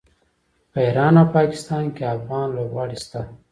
په ایران او پاکستان کې افغان لوبغاړي شته.